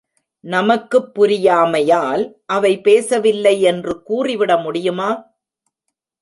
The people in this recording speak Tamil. நமக்குப் புரியாமையால், அவை பேசவில்லை என்று கூறிவிட முடியுமா?